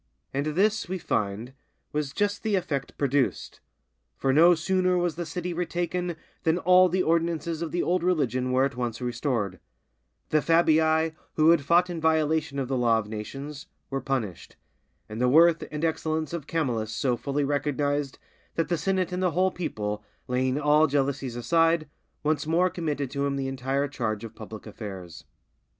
And this, we find, was just the effect produced. For no sooner was the city retaken, than all the ordinances of the old religion were at once restored; the Fabii, who had fought in violation of the law of nations, were punished; and the worth and excellence of Camillus so fully recognized, that the senate and the whole people, laying all jealousies aside, once more committed to him the entire charge of public affairs.